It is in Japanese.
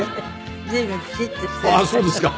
ああそうですか？